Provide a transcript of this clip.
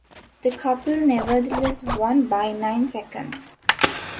The couple nevertheless won by nine seconds.